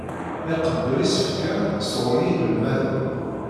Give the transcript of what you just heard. Iqebbel isefka sɣur yinelmaden.